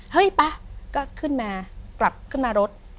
เฮ้ยป๊ะก็ขึ้นมากลับขึ้นมารถ